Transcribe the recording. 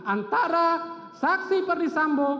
antara saksi perdisambo